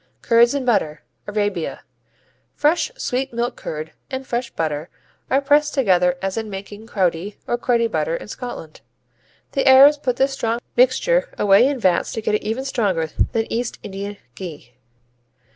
Curds and butter Arabia Fresh sweet milk curd and fresh butter are pressed together as in making Crowdie or Cruddy butter in Scotland. The Arabs put this strong mixture away in vats to get it even stronger than East Indian ghee.